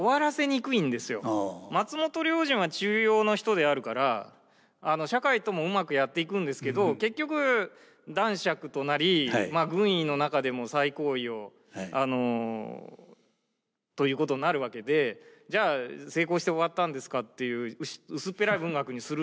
松本良順は中庸の人であるから社会ともうまくやっていくんですけど結局男爵となり軍医の中でも最高位ということになるわけでじゃあ成功して終わったんですかっていう薄っぺらい文学にするのかと。